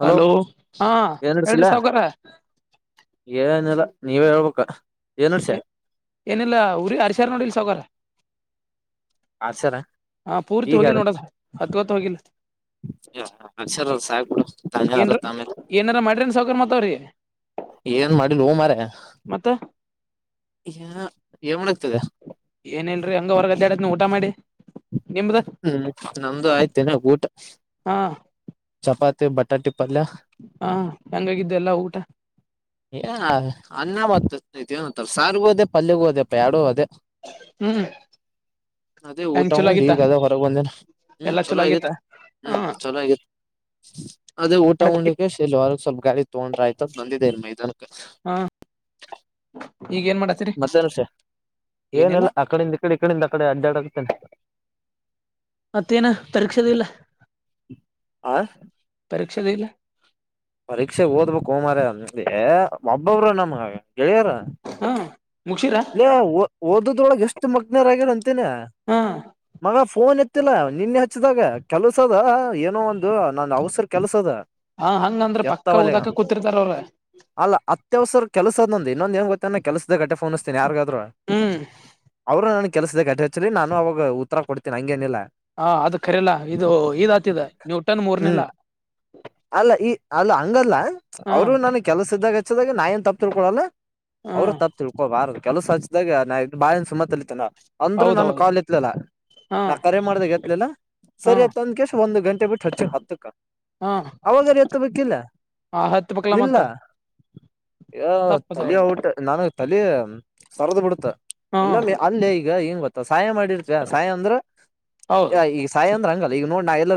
Hello ಹಾ ಏನ ಹೇಳ್ರಿ ಅಡಸಿಲ್ಲ ಸಾವ್ಕಾರ ಏನಲ್ಲ ನೀವೇ ಹೇಳ್ಬೇಕ ಏನ್ ನಡ್ಸ್ಯ ಏನಿಲ್ಲ ಊರಿಗೆ ಹರಶಾರ್ ನೋಡಿಲ್ ಸಾವ್ಕಾರ್ ರ ಹಾ ಪೂರ್ತಿ ಹೋಗಿಲ್ಲ ನೋಡ ಹದ್ವತ್ತು ಹೋಗಿಲ್ ಅಕ್ಷರ ಅಲ್ಲ ಸಾಕ್ ಬಿಡು ಏನ್ರ [unintelligible] ಏನಾರ ಮಾಡ್ರಿನ್ ಸಾವ್ಕಾರ ಮತ್ತವ್ರಿ ಏನನ್ ಮಾಡಿಲ್ಲ ಹೂ ಮಾರಯ ಮತ್ತ ಏ‌ ಏನ್ ಮಾಡುತ್ತಿದ್ದೆ ಏನ್ ಇಲ್ರರಿ ಹಂಗ ಹೊರ್ಗಡತ್ ಊಟ ಮಾಡಿ ನಿಮ್ದ ಹ್ಮ್ ನಮ್ದು ಆಯ್ತೇನೆ ಊಟ ಹಾ ಚಪಾತಿ ಬಟಾಟಿ ಪಲ್ಯ ಹಾ ಹೆಂಗಾಗಿದ್ದೆಲ್ಲ ಊಟ ಏ ಅನ್ನ ಮತ್ತ ಏಂತ ಸಾರ್ಗೂ ಹೋದೆ ಪಲ್ಯಗೂ ಹೋದೆಪ್ಪ ಎರಡು ಹೋದೆ ಹ್ಮ್ ಅದೆ ಊಟ ಹೆಂಗ್ ಚಲೋ ಹುಂಡಿ ಆಗಿತ್ತ ಈಗ ಅದ ಹೊ ಬಂದೇ ಹ್ಮ್ ಎಲ್ಲಾ ಚಲೋ ಆಗಿತ್ತ ಆಗಿತ್ತು ಹಾ ಹ್ಮ್ ಚಲೋ ಆಗಿತ್ತು ಅದೇ ಊಟ ಉನ್ನಕ್ಕೆ ಶಲ್ವರ್ಗ ಸ್ವಲ್ಪ ಗಾಡಿ ತಗೊಂಡ್ರ ಆಯ್ತದ ಬಂದಿದೆೇ ಇಲ್ ಮೈದಾನ ಕ ಹಾ [unintelligible] ಈಗ ಏನ್ ಮಾಡತ್ತೀರಿ ಮತ್ತೆನ್ ವಿಷಯ ಏನಿಲ್ಲ ಏನಲ್ಲ ಅಕಡಿಂದ ಈ ಕಡೆ ಇಕಡಿಂದ ಆಕಡೆ ಅಡ್ಡಾಡ [unintelligible] ಮತ್ತೇನ ಪರೀಕ್ಷೆದ ಇಲ್ಲ ಆ ಪರೀಕ್ಷೆದ ಇಲ್ಲ ಪರೀಕ್ಷೆ ಓದ್ಬೇಕಕ್ ಮಾರಾಯ ಹೆ ಒಬ್ಬೊಬ್ರು ನಮ್ಗ ಗೆಳೆಯರ ಹಾ ಮುಗಸಿರಾ ಇಲ್ಲ ಓದದೊಳಗೆ ಎಷ್ಟು ಮಗ್ನರಗ್ಯರಂತೆ ನಾ ಹಾ ಮಗ ಫೋನ್ ಫೋನ್ ಎತ್ತಿಲ್ಲ ನಿನ್ನೆ ಹಚ್ಚಿದಾಗ ಕೆಲ್ಸದ ಏನೋ ಒಂದು ನನ್ನ ಅವಸರ ಕೆಲ್ಸದ ಹಾ ಹಂಗಂದ್ರ ಎತ್ತ ಪಕ್ಕ ಒಲೆಗ ಓದಾಕ ಕೂತಿರ್ತಾರ ಅವ್ರ ಅಲ್ಲ ಅತ್ಯವಸರ ಕೆಲಸ ಇನ್ನೊಂದ ಏನ್ ಗೊತ್ತ ಕೆಲ್ಸದ ಅಷ್ಟೇ ಫೋನ್ ಹಚ್ಚುತ್ತೇನೆ ಯಾರ್ಗಾದ್ರರು ಹ್ಮ್ ಅವರು ನ ಕೆಲಸದಕ್ಕೆಟ ಹೆಚ್ಚರಿ ನಾನು ಅವಾಗ ಉತ್ತರ ಕೊಡ್ತೀ ಹಂಗೇನಿಲ್ಲ ಹಾ ಅದ ಕಖರಿಯಲ್ಲ ಇದು ಇದ್ ಆತಿದ ನ್ಯೂಟನ್ ಮೂರ್ನೆಲ್ಲ ಹ್ಮ್ ಅಲ್ಲ ಈ ಅಲ್ಲ ಹಂಗಲ್ಲ ಹಾ ಅವರು ನನ್ ಕೆಲಸ ಇದ್ದಾಗ ಹಚ್ಚದಾಗ ನಾ ಏನ್ ತಪ್ಪತಿರ್ಕೊಡಲ್ಲ ಹಾ ಅವರು ತಪ್ಪ ತಿಳ್ಕೋಬಾರ ಕೆಲಸ ಹಚ್ಚಿದಾಗ ನಾ ಬಾಳಿಂದ ಸುಮ್ಮತಲಿತೇನ ಅಂದ್ರು ನಾನು ಹೌದೌದು ಕಾಲ್ ಎತ್ಲಿಲ್ಲ ಹಾ ನಾ ಕರೆ ಮಾಡ್ದ ಎತ್ತಲಿಲ್ಲಾ ಹಾ ಸರಿಯತ ಒಂದ್ ಕೆಸ ಒಂದು ಗಂಟೆ ಬಿಟ್ಟು ಹಚ್ಚ ಹತ್ತಕ್ಕ ಹಾ ಅವಾಗಾರ ಎತ್ತುಬೇಕ್ ಇಲ್ಲ ಆ ಹತ್ತು ಬೇಕಲ ಮತ್ತ ತಪ್ಪದ ತಲಿ ಅವ್ರದ ಔಟ್ ನನ ತಲೆ ಸರದು ಬಿಡುತ್ತ ಹಾ ಇನ್ನೊಮ್ಮೆ ಅಲ್ಲಿ ಈಗ ಏನ್ ಗೊತ್ತ ಸಾಯ ಮಾಡಿರ್ತ ಸಾಯ ಅಂದ್ರೆ ಹೌದು ಈಗ ಸಾಯ ಅಂದ್ರೆ ಹಂಗಲ್ಲ ಈಗ ನೋ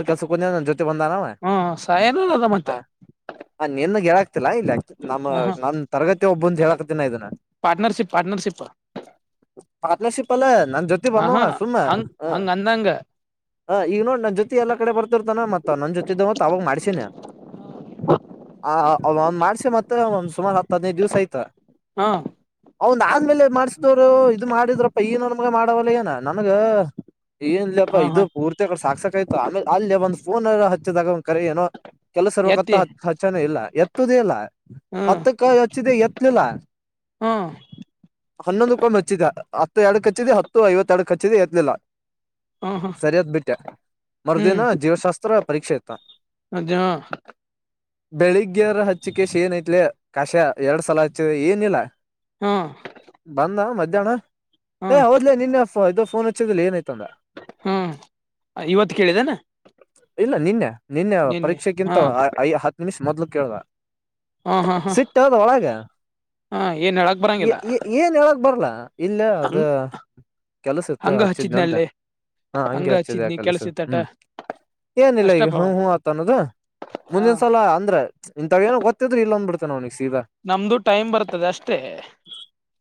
ಕೆಲಸಕ್ಕೆ ಹೋಗಿದ್ದನ್ ನನ್ನ ಜೊತೆ ಬಂದಾನವ ಹ್ಮ ಸಾಯನದ ಮತ್ತ ಹ ನಿನ್ನ್ನಗ್ ಹೇಳಕ್ತಿಲ್ಲ ಇಲ್ಲಿ ಆ ನ ಹ ಹಾ ನನ್ ತರಗತಿ ಒಬ್ಬ ಅಂತ ಹೇಳಾಕ್ತಿನ ಇದನ್ನ ಪಾರ್ಟ್ನರ್ಶಿಪ್ ಪಾರ್ಟ್ನರ್ಶಿಪ್ ಪಾರ್ಟ್ನರ್ ಶಿಪ್ ಅಲ್ಲ ನನ್ ಜೊತಿ ಹ ಬಂದ ಹಾ ಸುಮ್ಮ ಹಂಗ್ ಹ ಹಂಗ ಅಂದಂಗ ಹ ಈಗ ನೋಡ್ ನನ್ ಜೊತಿ ಎಲ್ಲಾ ಕಡೆ ಬರ್ತಿರ್ತಾನ ಮತ್ತ ನನ್ ಜೊತಿದ್ದ ಮತ್ ಅವಾಗ ಮಾಡ್ಸಿನಯ ಆ ಒಂದ್ ಮಾಡಾಸೆ ಮತ್ತೆ ಒಂದ್ ಸುಮಾರು ಹತ್ತ ಹದಿನೈದು ದಿವಸ ಆಯ್ತಾ ಹಾ ನಂದ್ಮೇಲೆ ಮಾಡ್ಸಿದವರು ಇದು ಮಾಡಿದ್ರಪ್ಪ ಈ ನನ್ ಮಗ ಮಾಡವಲ್ಲ ಏನ ನನ್ಗ ಏನಲ್ಲಪ್ಪ ಹಾ ಇದು ಹಾ ಪೂರ್ತಿ ಕಡೆ ಸಾಕ್ಸಕಕಯ್ತು ಆಮೇಲೆ ಅಲ್ಲಿ ಒಂದ್ ಫೋನ್ ಎಲ್ಲ ಹಚ್ಚಿದಾಗ ಒಂದ್ ಕರೆ ಏನೋ ಕೆಲಸ ಇರಬೇಕಂತ ಎತ್ತಿ ಹಚ್ಚಾನೆ ಇಲ್ಲ ಎತ್ತದೇ ಇಲ್ಲ ಹ್ಮ್ ಹತ್ತ ಕ ಅಚ್ಚೀದೆ ಎತ್ಲಿಲ್ಲ ಹ್ಮ್ ಹನ್ನೊಂದು ಕೊಂಡ್ ಹಚ್ಚಿದೆ ಹತ್ತು ಎಡಕ್ ಹಚ್ಚಿದೆ ಹತ್ತು ಐವತ್ತ ಎರಡುಕ್ ಹಚ್ಚಿದೆ ಎತ್ಲಿಲ್ಲ ಹ್ಮ್ ಹ್ಮ್ ಸರಿಯಾದ್ ಬಿಟ್ಟೆ ಮರುದಿನ ಜೀವಶಾಸ್ತ್ರ ಪರೀಕ್ಷೆ ಆಯ್ತ ಅ [unintelligible] ಬೆಳಿಗ್ಗೆರ ಹಚ್ಚಿಕ ವಿಷಯ ಏನಐತ್ಲೆ ಕಶ್ಯ ಎರಡ್ ಸಲ ಹಚ್ಚಿದ ಏನಿಲ್ಲ ಹ್ಮ್ ಬಂದ ಮಧ್ಯಾಹ್ನ ಏ ಹ್ಮ್ ಹೌದ್ಲ ನಿನ್ನೆ ಇದು ಫೋನ್ ಹಚ್ಚಿದಲ್ಲಿ ಏನಯ್ತ ಅಂದ ಹ್ಮ್ ಇವತ್ತು ಕೇಳಿದೆನಾ ಇಲ್ಲ ನಿನ್ನೆ ನಿನ್ನೆ ಪರೀಕ್ಷೆಗಿಂತಐ ಹತ್ತು ನಿಮಿಷ ಮೊದ್ಲು ಕೇಳ್ದ ಹಾ ಹಾ ಹಾ ಸಿತ್ತದ ಒಳಗ ಹಾ ಏನ್ ಹೇಳಕ್ ಬರಂಗಿಲ್ಲ ಏನ್ ಹೇಳಗ್ ಬರ್ಲ ಇಲ್ಲೇ ಅದ ಹಂಗ್ ಕೆಲ್ಸ ಇತ್ತು ಹಂಗ ಹಚ್ಚಿದನಂತೆ ಹಚ್ಚಿದ್ನಲ್ಲಿ ಹಾ ಹಂಗ ಹಂಗೆ ಹಚ್ಚಿದೆ ಆ ಹಚ್ಚಿದ್ನಿ ಕೆಲಸ ಕೆಲ್ಸಿತ್ತಟ ಹ್ಮ್ ಏನಿಲ್ಲ ಈಗ ಅಷ್ಟಪ್ಪ ಹ ಮತ್ ಹ್ ಆತ ಅನ್ನೋದ ಹ ಮುಂದಿನ ಸಲ ಅಂದ್ರೆ ಇಂತಥ ನ ಗೊತ್ತಿದ್ರರು ಇಲ್ಲ ಅಂದ್ ಬಿಡರಿ ನಮ್ದು ಟೈಮ್ ಬರ್ತದೆ ಅಷ್ಟೇ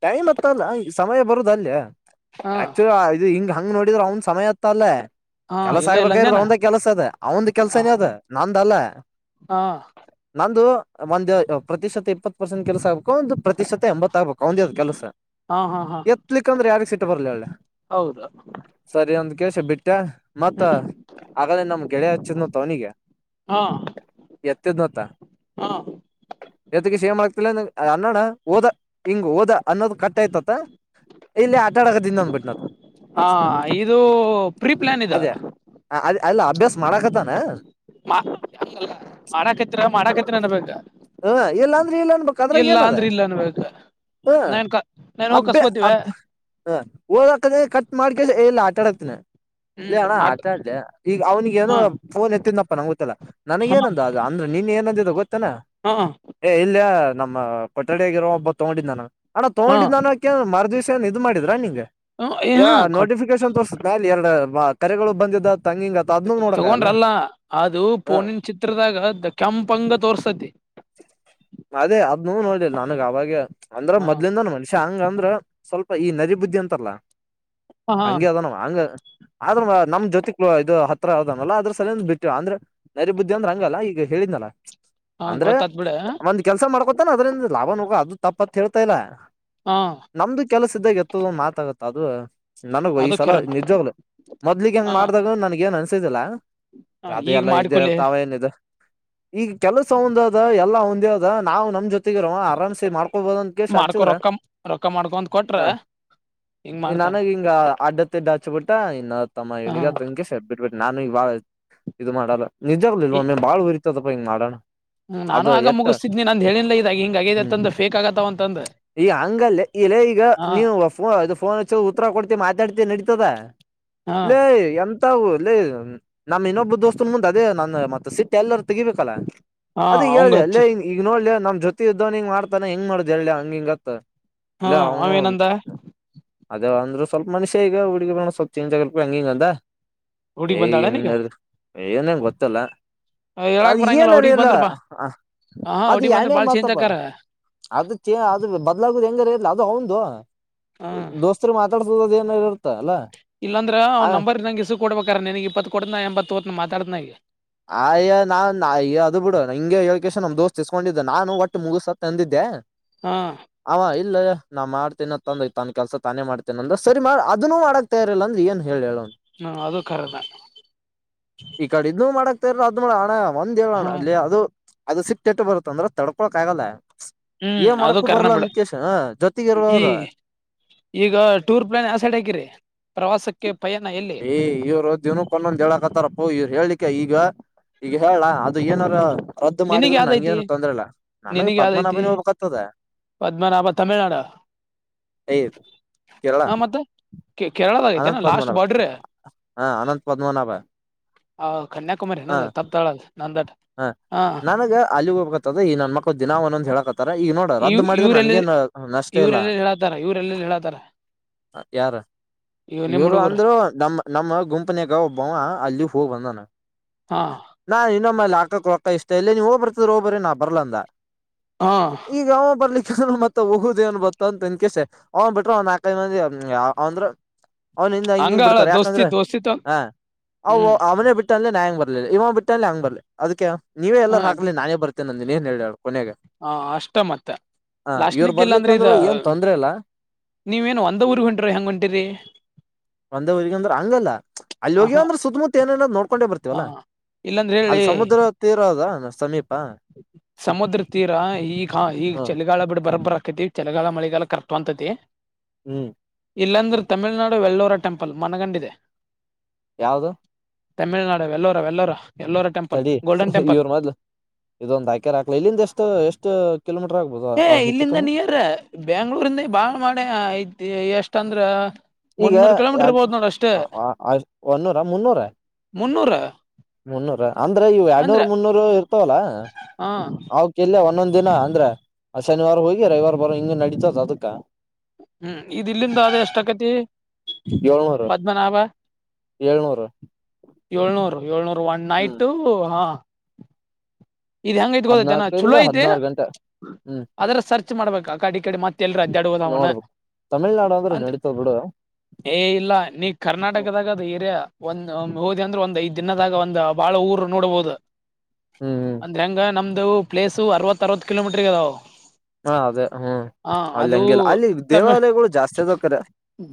ಟೈಮ್ ಹತ್ರ ಅಲ್ಲ ಸಮಯ ಬರುದ ಅಲ್ಲೇ ಹಾ ಆಕ್ಚು ಇದು ಹಿಂಗ ಹಂಗ್ ನೋಡಿದ್ರರು ಅವ್ನ್ ಸಮಯ ಅತ್ತ ಅಲ್ಲೇ ಹಾ ಕೆಲಸ ಇಲ್ಲ ಇಲ್ಲ ಆಗ್ಬೇಕಾಗಿರದು ಅಂದೇನ ಅವದ ಕೆಲ್ಸ ಅದ ಅವಂದ ಹ ಕೆಲ್ಸನೇ ಅದ ನಂದಲ್ಲ ಹಾ ನಂದು ಒಂದು ಪ್ರತಿಶತ ಇಪ್ಪತ್ತು ಪರ್ಸೆಂಟ್ ಕೆಲ್ಸ ಆಗ್ ಒಂದು ಪ್ರತಿಶತ ಎಂಬತ್ತು ಕೆಲಸ ಹಾ ಹಾ ಹಾ ಎತ್ಲಿಕ್ಕೆಂದ್ರೆ ಯ ಸಿಟ್ಟ ಬರ್ಲಿ ಒಳ್ಳ ಹೌದು ಸರಿ ಒಂದ್ ಕೆಲಸ ಬಿಟ್ಟೆ ಮತ್ತ ಹ್ಮ್ ಆಗಲೇ ನಮ್ ಗೆಳೆಯೆ ಹಚ್ಚಿದ್ನ ತ ಅವನಿಗೆ ಹಾ ಎತ್ತದ್ನತ್ತ ಹಾ ಎತ್ತಿಗೆ ಸೇಮ್ ಆಗ್ ಅನ್ನಣ್ಣ ಹೋದ ಹಿಂಗ್ ಹೋದ ಅನ್ನೋದು ಕಟ್ಟ ಆಯತತ್ತ ಇಲ್ಲಿ ಆಟ ಆಡಕದಿಂದ ಅಂದ್ಬಿಟ್ಟನ ಹಾ ಇದು ಪ್ರೀ ಪ್ಲಾನ್ ಇದು ಅದೇ ಅ ಅಲ್ಲ ಅಭ್ಯಾಸ ಮಾಡಕತಾನಾ ಮಾಡಾಕತ್ತ ಮಾಡಾಕತ್ತ ನನ್ ಬ ಹ್ಮ್ ಇಲ್ಲ ಲ್ಲ ಅನ್ಬೇಕ ಅದ್ರಾಗ ಏನದ ಅಂದ್ರ ಇಲ್ಲ ಅನ್ಬೇಕ ಹ್ಮ ನಾನ್ ಕ ನಾನ್ ಹೋಗಿ ಹತ್ತೆ ಕಸ್ಕೋತೀವ ಹತ್ ಹ ಓದಕದ್ರೆ ಕಟ್ ಮಾಡ್ಕ ಇಲ್ಲ ಆಟಾಡತ್ನ ಇಲ್ಲ ಹ್ಮ್ ಅಣ್ಣ ಮಾಡ್ ಅ ಅ ಈಗ ಅವನಿಗೆ ಏನು ಹ ಫೋನ್ ಎತ್ತಿದಪ್ಪ ನಂಗಗೆ ಗೊತ್ತಲ್ಲಾ ನನಗ ಹ ಏನಂದು ಅದು ಅಂದ್ರೆ ನೀನ್ ಏನಂದಿದೆ ಗೊತ್ತನಾ ಹ ಏ ಇಲ್ಲಯ ನಮ್ಮ ಕೊಠಡಿಯ ಆಾಗಿರೋ ಒಬ್ಬ ತಗೊಂಡಿ ದನ ಹಣ್ಣ ಹ ತೊಂಡಿ ಹ ದನಕ್ಕೆ ಮರು ದಿವ್ಸನ್ ಇದ್ ಮಾಡಿದ್ರಾ ನಿಂಗೆ ಯ ಹ ನೋಟಿಫಿಕೇಶನ್ ತೋರ್ಸುತ್ತೆ ಅಲ್ಲಿ ಎರಡು ನೋಡಕಾಗಲ್ಲ ತಗೊಂಡ್ರಲ್ಲ ಅದು ಹ ಪೋನಿನ ಚಿತ್ರದಾಗ ಕೆ ನಿಮ್ ಪಂಗ ತೋರ್ಸತಿ ಅದೇ ಅದನು ನೋಲ್ಲ ನನಗ್ ಅವಾಗ ಅಂದ್ರ ಹ ಮೊದ್ಲಿಂದ ಮನ್ಷ್ಯ ಹಂಗ ಅಂದ್ರ ಸ್ವಲ್ಪ ಈ ನರಿಬುದ್ಧಿ ಅಂತಲ್ಲ ಹ ಹಂಗಗೆ ಅದನು ಹಂಗ ಆದ ನಮ್ ಜೊತೆಕ್ ಕೇಳ ಇದು ಹತ್ರ ಅದನಲ್ಲ ಅದ್ರ ಸಲ ಬಿಟ್ಟಿವ ಅಂದ್ರೆ ನೈರಿ ಬುದ್ಧಿ ಅಂದ ರಂಗಲ್ಲ ಈಗ ಹೇಳಿದ್ನಲ್ಲ ಹಾ ಅಂದ್ರೆ ಗೊತ್ತಾತ್ ಬಿಡ ಒಂದ್ ಕೆಲ್ಸ ಮಾಡ್ಕೊತಾನ ಅದ್ರಂದ ಲಾಭಗ ಅದು ತಪ್ಪತ್ ಹೇಳ್ತಾ ಇಲ್ಲ ಹಾ ನಮ್ದು ಕೆಲಸ ಇದಾಗ ಎತ್ತು ಮಾತಾಗುತ್ತ ಅದು ನನಗು ಈ ಅದು ಸಲ ಖರನ ನಿಜವಾಗ್ಲು ಮೊದ್ಲಿಗೆ ಹೆಂಗ ಹ ಮಾಡ್ದಾಗ ನನ್ಗ ಏನ್ ಅನ್ಸಿದಿಲ್ಲಾ ಅದುೇ ಈಗ ಎಲ್ಲ ಇದೇ ಮಾಡ್ಕೊಲಿ ಇರ್ತಾವ ಏನ ಇದು ಈಗ ಕೆಲಸ ಒಂದ್ ಅದ ಎಲ್ಲ ಒಂದೇ ಅದ ನಾವ್ ನಮ್ ಜೊತೆ ಆರಾಮ್ಸೆ ಮಾಡ್ಕೊಬೋದ ಅಂತ ಕೆಸ ಮಾಡ್ಕೊ ಹಚ್ಚಿದ್ರ ರೊಕ್ಕ ರೊಕ್ಕ ಮಾಡ್ಕೊಂತ ಕೊಟ್ರ ಹ ಹಿಂಗ್ ಈ ಮಾಡ್ತಾನ ನನಗೆ ಹಿಂಗ ಅಡ್ಡ ಡ್ಡ ಹಚ್ಚಬಿಟ್ಟ ಇನ್ನು ತಮ್ಮ ಇವನಿಗೆ ಹ್ಮ್ ತಂಕ ಸಟ್ ಬಿಡ್ಬಿಟ್ಟಿ ನಾನು ಈಗಾಳ ಇದು ಮಾಡಲ್ಲ ನಿಜಾಗಗ್ಲಲ್ ಒಮ್ಮೆ ಬಾಳ ಉರಿತದಪ್ಪ ಹಿಂಗ ಮಾಡೋಣ ಹ್ಮ್ ನಾನು ಅದು ಆಗ ಎಟ್ಟ ಮುಗಿಸ್ತಿದ್ನಿ ನಂದ್ ಹೇಳಿಲ್ಲ ಇದ ಹಿಂಗ ಆಗೇದ ಅತ್ತಂದ ಫೇಕ್ ಆಗತ್ತವ ಅಂತಂದ ಈ ಹಂಗಲ್ಲ ಇಲ್ಲ ಈಗ ಹಾ ನೀವು ಫೋನ್ಚ್ಚ ಉತ್ತರ ಕೊಡ್ತಿ ಮಾ ನಡ ನಡೀತದ ಹಾ ಇಲ್ಲ ಎಂತ ಮವು ಇಲ್ಲಿ ನಮ್ಮ್ ಇನ್ನೊಬ್ಬ ದೋಸ್ತನ್ ಮುಂದೆ ಅದೇ ನಾನ ಮತ್ತ ಸಿಟ್ಟ ಎಲ್ಲರ ತೆಗಿಬೇಕಲ್ಲ ಹಾ ಅದೇ ಅವಂಗ ಹೇಳ್ದ ಅಲ್ಲ ಹಚ್ಚಿ ಈಗ ನೋಡ್ಲಿ ನಮ್ ಜೊತೆ ಇದ್ದವನ್ ಹಿಂಗ ಮಾಡ್ತಾನ ಹೆಂಗ ಮಾಡುದ್ ಎಲ್ಲ ಹಂಗ ಹಿಂಗತ್ತ ಹಾ ಇಲ್ಲ ಅವನು ಅವೇನಂದ ಆದ್ರೆ ಸ್ವಲ್ಪ ಮನುಷ್ಯ ಈಗ ಹುಡುಗ ಸ್ವಲ್ಪ ಚಂಜಗಲ್ಪ ಹಂಗಿಂಗ ಅಂದ ಹುಡುಗಿ ಏ ಬಂದಾಳನೀಗ ಏನಂಗ ಗೊತ್ತಲ್ಲ ಹೇಳಕ್ ಅದು ಬರಂಗಿಲ್ಲ. ಏನಾರ [inaudible] ಇಲ್ಲ ಹ ಹ ಅದ ಹುಡುಗಿ ಬಂದ್ರ ಯಾಡ್ನೇ ಬಾಳ ಚೇಂಜ್ ಮಾತಪಾ ಆಕಾರ ಅದ ಚ ಅದ ಬದ್ಲಾಗುದ ಹೆಂಗಾರ ಇಲ್ಲರಿ. ಅವಂದು ದೋಸ್ತರಿಗ ಮಾತಾಡ್ಸುದ ಅದ ಏನರ ಇರತ್ತ ಇಲ್ಲಾಂದ್ರೆ ಅವ್ ನಂಬರ್ ನಂಗ ಇಸದ ಕೊಡ್ಬೇಕಾರ ನನ್ಗ್ ಇಪ್ಪತ್ತು ಕೊಡ್ತನ ನಾ ಎಂಬತ್ತ್ ತೊಗೋತೆನಿ ಮಾತಾಡತೇನ ಈಗ ಆಯ್ಯ ನಾನ್ ಅಯ್ಯ ಅದು ಬಿಡು ಹಿಂಗೆ ಹೇಳಿಕೆಶಿ ನಮ್ ದೋಸ್ತ್ ಇಸ್ಕೊಂಡಿದ್ದ ನಾನು ಒಟ್ಟ ಮುಗಸ ಅಂತ ಅಂದಿದ್ದೆ. ಹಾ ಅವ ಇಲ್ಲ ನಾ ಮಾಡ್ತೇನ ಅಂತ ಅಂದ ತನ್ ಕೆಲಸ ತಾನೇ ಮಾಡ್ತೇನ ಅಂದ ಸರಿ ಮಾಡ ಅದನ್ನೂ ಮಾಡಕೂ ತಯಾರಿಲ್ಲ ಅಂದ ಏನು ಹೇಳಲಿ ಹೇಳ್ ಹ್ಮ ಅದು ಕರೀನ. ಅದ್ಮಳ ಅಣ್ಣ ಒಂದ್ ಹೇಳ ಅಣ್ಣ ಅಲ್ಲಿ ಅದು ಅದು ಸಿಟ್ಟು ಎಸ್ಟ್ ಬರುತ್ತಂದ್ರ ತಡ್ಕೊಳಕ್ ಆಗಲ್ಲ. ಹ್ಮ್ ಏ ಅದು ಮಾಡಕು ಖರನ ಬರಲ್ಲ ಬಿಡ ಅಂಡಕೇಶಿ ಜೊತೆಗ ಈ ಇರಾವ್ರ ಈಗ ಟೂರ್ ಪ್ಲಾನ್ ಯಾವ ಸೈಡ್ ಹಾಕಿರಿ ಪ್ರವಾಸಕ್ಕೆ ಪಯಣ ಎಲ್ಲಿ ಏ ಇವ್ರು ದಿನಕೊನ್ನೊಂದ್ ಹೇಳಕತ್ತಾರಪ್ಪೋ ಇವ್ ಹೇಳಳ್ಲಿಕ ಈಗ ಈಗ ಹೇಳ್ಯಾ ಅದು ಏನಾರ ರದ್ದು ನಿನಗ್ ಮಾಡಿದ್ರು ಯಾವ್ದೈತಿ ನನ್ಗೇನು ತೊಂದರೆ ಇಲ್ಲ ನನಗೆ ನಿನಗ್ ಯಾವ್ದೈತಿ ಪದ್ಮನಾಬಿನಿ ಹೋಗಬೇಕ ಅಂತ ಆದ. ಪದ್ಮನಾಭ ತಮಿಳ್ನಾಡ ಏಯ್ ಕೇರಳ ಹಾ ಮತ್ತ ಕೇರಳದಾಗ ಐತೆ ಎನ ಅನಂತ್ ಲಾಸ್ಟ್ ಪದ್ಮನಾಭ ಬಾರ್ಡರ್ ಹಾ ಅನಂತ್ ಪದ್ಮನಾಭ ಹ ಕನ್ಯಾಕುಮಾರಿ ಏನ ಹಾ ಅದ ತಪ್ಪಿತಆಲ್ - ಹಾ ನನಗ ಅಲ್ಲಿ ಹೋಗಬೇಕತ್ತದ ಈ ನನ್ ಮಕ್ಳ ದಿನಾ ಒಂದ ಒಂದ ಹೇಳಕತ್ತ ತರ ಈಗ ನೋಡ ರದ್ದು ಇವ್ ಮಾಡಿದ್ರೆ ಇವ್ರೆಲ್ಲ ನನ್ಗೆನ ನಷ್ಟ ಇಲ್ಲ. ಇವ್ರೆಲ್ಲ ಹೇಳತಾರ ಇವ್ರೆಲ್ಲ ಹೇಳತಾರ ಮತ್ತಯಾರ ಇವ್ - ನಿಮ್ ಇವರು ಹುಡುಗರು ಅಂದ್ರು ನಮ್ಮ ನಮ್ಮ ಗುಂಪನ್ಯಾಗ ಒಬ್ಬವ ಅಲ್ಲಿ ಹೋಗ ಬಂದಾನ. ಹಾ ನಾ ಇನ್ನೊಮ್ಮೆ ಅಲ್ಲಿ ಹಾಕು ಗೊತ್ತಆಯ್ತಿ ನೀವ ಹೋಗಿ ಬರ್ತಿದ್ರ ಹೋಗಿ ಬರ್ರಿ ನಾ ಬರಲ್ಲ ಅಂದ ಹಾ ಈಗ ಅವ ಬರ್ಲಿಕ್ಕ ಮತ್ತತ್ ಹೋಗುದೇನ್ ಬತ್ತ ಅಂದಕೇಶಿ ಅವನ್ ಬಿಟ್ರ ಒಂದ ನಾಕೈದು ಮಂದಿ ಅವಂದ್ರ ಅವನ ಹಿಂದ ಹಿಂಗ ಹಂಗ ಹಿಂಗ್ ಅಳ ಬಿಡ್ತಾರೆ ದೋಸ್ತಿ ಯಾಕಂದ್ರೆ ದೋಸ್ತಿ ತ ಹ ಅವು ಹ್ಮ್ ಅವನ ಬಿಟ್ಟ ಬಿಟ್ಟ ಅಲ್ಲಿ ನಾ ಹೆಂಗ ಬರ್ಲಿಲ್ಲ ಇವ ಬಿಟ್ಟಲ್ಲಿ ಹೆಂಗ ಬರ್ಲಿ ಅದಕ್ಕೆ ನೀವೇ ಹ ಎಲ್ಲರೂ ಹಾಕ್ಲಿ ನಾನೇ ಬರ್ತೇನೆ ಅಂದಿನಿ ಏನ್ ಹೇಳಿ ಕೊನೆಗ ಹ ಅಷ್ಟ ಮತ್ತ - ಹ ಇವ್ರ ಬರ್ಲಿಕ್ಕಂದ್ರು ಏನ್ ತೊಂದರೆ ಇಲ್ಲ. ನೀವ ಎನು ಒಂದ ಊರಿಗ ಹೊಂಟಿರಿ ಏನ್ ಹೆಂಗ ಹೊಂಟಿರಿ ಒಂದೇ ಊರಿಗೆ ಅಂದ್ರೆ ಹಂಗಲ್ಲಾ ಅಲ್ಲಿ ಹ ಹಾ ಹೋಗ್ಯವಂದ್ರ ಸುತ್ತಮುತ್ತ ಎನ್ಎನ್ ನೋಡ್ಕೊಂಡೆ ಬರ್ತೀವಲ್ಲಾ. ಇಲ್ಲಂದ್ರ ಹೇಳಿ ಅಲ್ಲಿ ಸಮುದ್ರ ತೀರ ಅದ ಸಮೀಪ ಸಮುದ್ರ ತೀರ ಈಗ ಈಗ ಹ ಚಳಿಗಾಲ ಬಿಡ್ ಬರೊಬ್ಬರ ಆಕೆತ್ತಿ. ಚಳಿಗಾಲ ಮಳಿಗಾಲ ಕರೆಕ್ಟ್ ಹೊಂದತೇತಿ. ಹ್ಮ್ ಇಲ್ಲಾಂದ್ರ ತಮಿಳ್ನಾಡು ವೆಳ್ಳೂರ ಟೆಂಪಲ್ ಮನಗಂಡ ಇದೆ. ಯಾವದು ತಮಿಳ್ನಾಡು ವೆಲ್ಲೋರ ವಲ್ಲೋರ ಎಲ್ಲೋರ ಟೆಂಪಲ್ ಗೋಲ್ಡನ್ ಟೆಂಪಲ್ ಇದೊಂದ ಹಾಕರ್ ಹಾಕ್ಲ ಇಲ್ಲಿಂದ ಎಷ್ಟು ಎಷ್ಟು. ಕಿಲೋಮೀಟರ್ ಆಗ್ಬೋದು ಏ ಹೆಚ್ಚು ಇಲ್ಲಿಂದ ಕಮ್ಮಿ ನಿಯರ್ ಬೆಂಗಳೂರು ಇಂದ ಬಾಳ್ ಮಾಡೇ ಐತಿ ಎಷ್ಟ ಅಂದ್ರ ಈಗ ಯಾಡ್ ಒನ್ನೂರ ಮುನ್ನೂರ ಮುನ್ನೂರ ಮುನ್ನೂರ ಅಂದ್ರ ಇವು ಅಂದ್ರ ಎರಡ್ನೂರ್ ಮುನ್ನೂರು ಇರ್ತಾವಲ್ಲ ಹ ಅವಕ್ಕ ಇಲ್ಲೆ ಒಂದೊಂದ್ ದಿನ ಅಂದ್ರೆ ಶನಿವಾರ ಹೋಗಿ ರವಿವಾರ ಬರೋ ಹಿಂಗ ನಡೀತದ ಅದಕ್ಕ. ಹ್ಮ್ ಇದ್ ಇಲ್ಲಿಂದ ಆದ ಎಷ್ಟ ಅಕೇತಿ. ಏಳ್ನೂರು ಏಳ್ನೂರು. ಏಳ್ನೂರು ಏಳ್ನೂರು ಒನ್ ಹ್ಮ್ ನೈಟು ಹ ಇದ್ ಹೆಂಗ ಹೆಂಗ ಆಯಿತೆ ಗೊತ್ತ ಆಯ್ತಿ ಆನ ಚಲೋ ಹದ್ನಾಕರಿಂದ ಐತಿ ಹದ್ನಾರು ಗಂಟೆ ಹ್ಮ್ ಅದ್ರ ಸರ್ಚ್ ಮಾಡ್ಬೇಕ ಆ ಕಡೆ ಇ ಕಡೆ ಮತ್ತೆ ಎಲ್ಲೆರ ಅಡ್ಯಾಡೋವ ಅದಾವ ಅನ ನೋಡ್ಬೇಕು ತಮಿಳ್ನಾಡು ಅಂದ್ರೆ ನಡಿತದ್ ಬಿಡು. ಏ ಇಲ್ಲ ನೀ ಕರ್ನಾಟಕದಾಗ ಅದ ಏರಿಯಾ ಒಂದ ಹೋದೆ ಅಂದ್ರೆ ಒಂದ್ ಐ್ ದಿನದಾಗ ಒಂದ್ ಬಹಳ ಊರ್ ನೋಡ್ಬಹುದು ಹ್ಮ್ ಅಂದ್ರೆ ಹೆಂಗ ನಮ್ದ ಪ್ಲೇಸ್ ಅವತ್ತ ಅರವ ಕಿಲೋಮೀಟರ್ ಅದಾವ್ ಹಾ ಅದೇ ಹ್ಮ್ ಅಲ್ಲಿ ಹಂಗಿಲ್ಲ ಅಲ್ಲಿ ತಮ್ಮ ದೇವಾಲಯಗಳು ಜಾಸ್ತಿ ಅದಕ್ಕ್ರ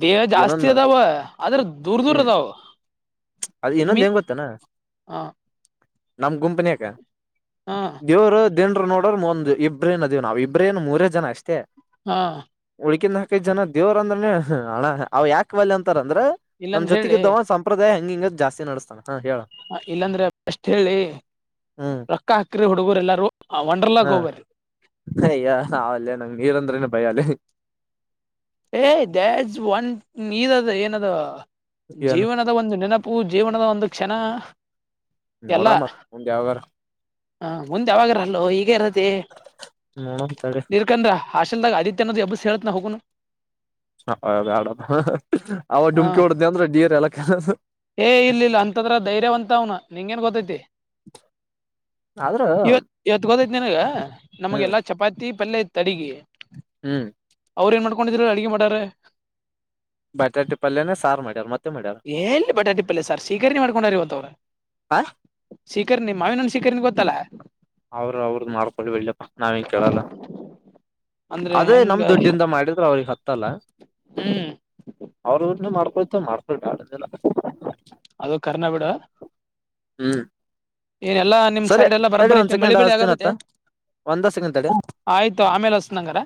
ದೇಹ ಜಾಸ್ತಿ ಅದಾವ ಆದದ್ರ ದೂರ್ ದೂರ ಅದಾವ ಅದ ಮೀ ಇನ್ನೊಂದ ಏನ್ ಗೊತ್ತನಾ ಹಾ ನಮ್ ಗುಂಪ್ ನಾಗ ದೇವರು ದನ್ರು ನೋಡ್ರ ಒಂದ್ ಇಬ್ರೇನದೇವ್ ನಾವವು ಇಬ್ರು ಇಬ್್ರೇನ್ ಮೂರೇ ಜನ ಅಷ್ಟೇ ಹಾ ಹುಳಕಿಂದ [unintelligible] ಹಾಕಿದ ಜನ ದೇವ್ರ ಅಂದ್ರನೆ ಹಣ್ಣ ಅವ್ ಯಾಕಕ್ ಬಲ್ ಅಂತಾರ ಅಂದ್ರ ನಮ್ ಇಲ್ಲಂದ ಜೊತೆಗ ಹೇಳಿ ಇದವ ಸಂಪ್ರದಾಯ ಹೆಂಗ ಹಿಂಗ ಜಾಸ್ತಿ ನಡೆಸ್ತಾನೆ ಹ ಇಲ್ಲಾಂದ್ರೆ ಎಷ್ಟ್ ಹೇಳಿ ಹ್ಮ್ ರೊಕ್ಕ ಹಾಕ್ರ ಹುಡುಗರು ಎಲ್ಲಾರು ಒಂಡರ್ಲ ಗೆ ಹಾ ಹೋಗುವೆ ಅಯ್ಯ ನಾವಲ್ಲೇ ನಂಗ್ ನೀರಂದ್ರೆನು ಭಯ ಅಲ್ಲಿ ಏಯ್ ದ್ಯಾಸ್ ಒನ್ ಇದ ಅದ ಏನದ [unintelligible] ಏನ್ ಜೀವನದ ಒಂದು ನೆನಪು ಜೀವನದ ಒಂದು ಕ್ಷಣ ಎಲ್ಲಾ ನೋಡೋಣ ಒಂದು ಯಾವುದಾದರೂ ಹ ಮುಂದೆ ಯಾವಾಗರಲ್ಲೋ ಹೀಗ ಇರತಿ ನೋಡಮ್ ತಡಿ [unintelligible] ಹಾಲ್ದ ಆದತ್ಯನದು ಎಬ್ು ಹೇಳಳ್ನ ಹೋಗೋನು [unintelligible] ಹದಡ ಅವ ಹ ಡಮ್ಕಿ ಹೊಡ್ದ ಅಂದ್ರೆ ಡೇರ್ ಎಲ್ಲ ಕೆ [unintelligible] ಏ ಇಲ್ಲ ಇಲ್ಲ ಅಂತದ್ರ ಧೈರ್ಯವಂತ ಅವನ ನಿಂಗ ನ್ ಗೊತ್ತೈತಿ ಆದ್ರ ಇವತ್ ಇವತ್ಗೋದೈತ್ ನನ್ಗ ನಮಗೆ ಹ್ಮ್ ಎಲ್ಲಾ ಚಪಾತಿ ಪಲ್ಯ ತ್ ಅಡಗಿ ಹ್ಮ್ ಅವ್ರ ಏನ್ ಮಾಡ್ಕೊಂಡಿದ್ರು ಅಡುಗೆ ಮಾಡೋರೆ ಬಟಾಣಿ ಪಲ್ಯ ಎಲ್ಲಿ ಬಟಾಟಿ ಪಲ್ಯ ಸಾರ್ ಸ್ವೀಕಣೆ ಮಾಡ್ಕೊಂಡ್ರವಂತವ್ರ ಶ್ರೀಕಾಂಣ್ ಮಾವಿನ್ಣ ಶ್ರೀಕಾಂಣ್ ಗೊತ್ತಲ್ಲಾ ಅವ್ರ ಅವ್ರದ್ದ ಮಾಡ್ಕೊೊಳ್ಳಿ ಬೆಳ್ಳ್ಯಪ್ಪ ನಾವಿಂಗ ಕೇಳಲ್ಲ [unintelligible] ಅಂದ್ರೆ ಅದೇ ಹೆಂಗ ನಮ್ ದುಡ್ಡಿಂದ ಮಾಡಿದ್ರ ಅವ್ರಿಗೆ ಹತ್ತ ಗತ್ತಲ್ಲ ಹ್ಮ್ ಅವರುನ್ನು ಮಾಡ್ಕೊಯತ ಮಾಡ್ಕೊು ಮಾಡಿಲ್ಲ [unintelligible] ಅದು ಕರ್ಮ ಬಿಡ ಹ್ಮ್ ಎಲ್ಲಾ ನಿಮ್ ಸರಿ ಸೈಡ್ ಎಲ್ಲಾ ತಡಿ ಬರಬರ್ ಒಂದ್ ಐತೆ ಮಳಿ ಸೆಕೆಂಡ್ ಬಳಿ ಹಸ್ತೀನತ್ತ ಆಗದದೆ ಒಂದ ಸೆಕೆಂಡ್ ತಡಿ ಆಯ್ತು ಆಮೇಲೆ ಹೊಸನಂಗಾರ